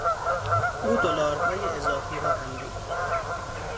او دلارهای اضافی را اندوخت.